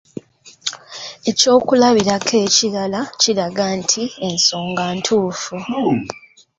Ekyokulabirako ekirala kiraga nti ensonga ntuufu.